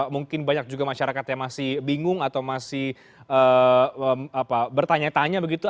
mungkin banyak juga masyarakat yang masih bingung atau masih bertanya tanya begitu